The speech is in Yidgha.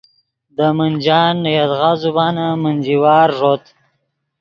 دے منجان نے یدغا زبانن منجی وار ݱوت